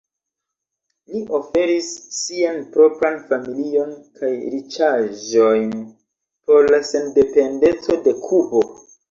Li oferis sian propran familion kaj riĉaĵojn por la sendependeco de Kubo.